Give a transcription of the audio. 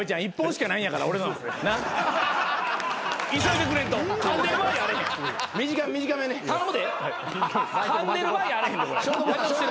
かんでる場合やあらへんこれ。